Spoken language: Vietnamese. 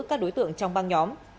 các đối tượng trong băng nhóm